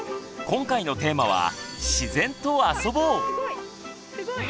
今回のテーマは「自然とあそぼう！」。